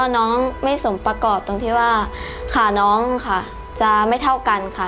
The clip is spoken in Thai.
น้องไม่สมประกอบตรงที่ว่าขาน้องค่ะจะไม่เท่ากันค่ะ